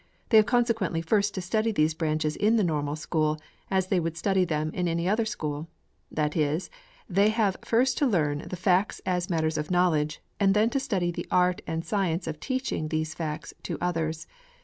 They have consequently first to study these branches in the Normal School, as they would study them in any other school. That is, they have first to learn the facts as matters of knowledge, and then to study the art and science of teaching these facts to others.